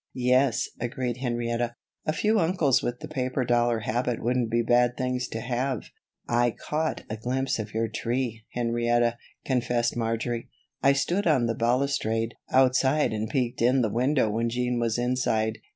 "Yes," agreed Henrietta, "a few uncles with the paper dollar habit wouldn't be bad things to have." "I caught a glimpse of your tree, Henrietta," confessed Marjory. "I stood on the balustrade outside and peeked in the window when Jean was inside.